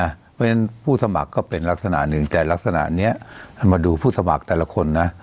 เพราะฉะนั้นผู้สมัครก็เป็นลักษณะหนึ่งแต่ลักษณะนี้มาดูผู้สมัครแต่ละคนนะ